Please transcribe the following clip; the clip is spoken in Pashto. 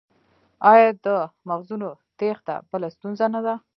آیا د مغزونو تیښته بله ستونزه نه ده؟